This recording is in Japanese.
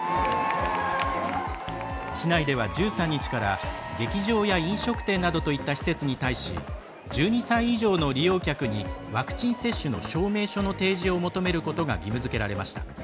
市内では、１３日から劇場や飲食店などといった施設に対し１２歳以上の利用客にワクチン接種の証明書の提示を求めることが義務づけられました。